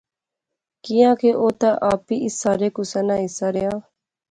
کیاں کہ او تہ اپی اس سارے کُسے ناں حصہ رہیا